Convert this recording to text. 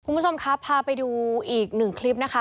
คุณผู้ชมครับพาไปดูอีกหนึ่งคลิปนะคะ